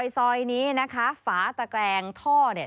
ซอยนี้นะคะฝาตะแกรงท่อเนี่ย